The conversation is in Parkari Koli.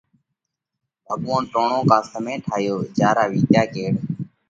ڀڳوونَ ٽوڻو ڪا سمئي ٺايو جيا را وِيتيا ڪيڙ